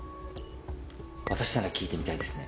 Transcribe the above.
「私なら聞いてみたいですね」